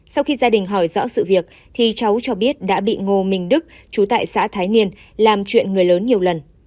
sau khi gia đình hỏi rõ sự việc thì cháu cho biết đã bị ngô minh đức chú tại xã thái niên làm chuyện người lớn nhiều lần